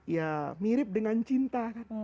ya mirip dengan cinta